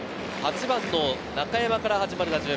８番の中山から始まる打順。